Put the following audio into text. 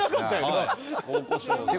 はい。